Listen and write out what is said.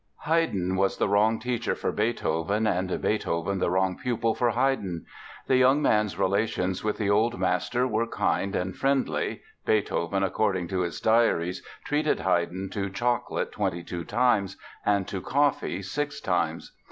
Haydn was the wrong teacher for Beethoven and Beethoven the wrong pupil for Haydn. The young man's relations with the old master were kind and friendly (Beethoven, according to his diaries, treated Haydn to "chocolate twenty two times" and to "coffee six times").